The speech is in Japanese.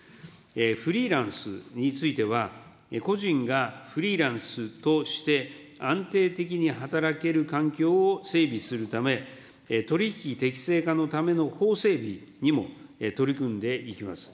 フリーランスについては、個人がフリーランスとして、安定的に働ける環境を整備するため、取り引き適正化のための法整備にも取り組んでいきます。